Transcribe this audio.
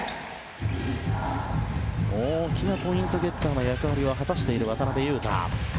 大きなポイントゲッターの役割を果たしている渡邊雄太。